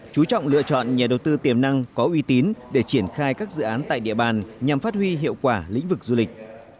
chú trọng lựa chọn nhà đầu tư tiềm năng có uy tín để triển khai các dự án tại địa bàn nhằm phát huy hiệu quả lĩnh vực du lịch